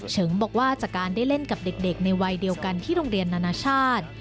บอกว่าจากการได้เล่นกับเด็กในวัยเดียวกันที่โรงเรียนนานาชาติ